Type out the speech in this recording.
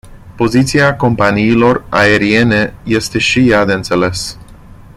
Poziția companiilor aeriene este și ea de înțeles.